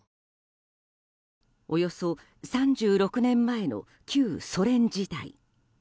およそ３６年前の旧ソ連時代。